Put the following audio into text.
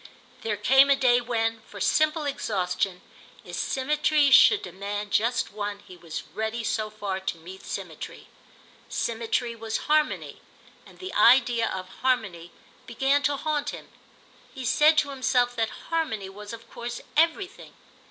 There came a day when, for simple exhaustion, if symmetry should demand just one he was ready so far to meet symmetry. Symmetry was harmony, and the idea of harmony began to haunt him; he said to himself that harmony was of course everything.